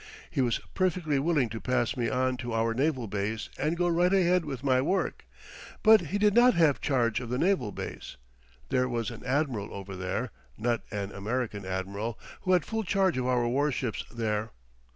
He was perfectly willing to pass me on to our naval base and go right ahead with my work; but he did not have charge of the naval base. There was an admiral over there not an American admiral who had full charge of our war ships there.